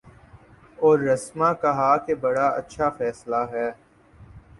اور رسما کہا کہ بڑا اچھا فیصلہ ہے۔